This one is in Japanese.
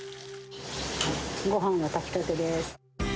ごはんも炊きたてです。